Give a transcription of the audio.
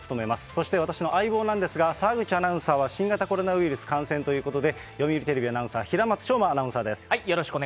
そして私の相棒なんですが、澤口アナウンサーは新型コロナウイルス感染ということで、読売テレビアナウンサー、平松翔馬アナウンサーです。